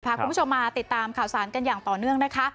พาคุณผู้ชมมาติดตามข่าวสารกันอย่างต่อเนื่องนะคะ